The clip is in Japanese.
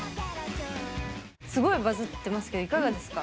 すごいバズってますけどいかがですか？